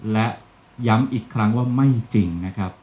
และย้ำอีกครั้งว่าไม่จริง